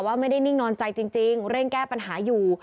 ไม่ได้นิ่งนอนใจจริงเร่งแก้ปัญหาอยู่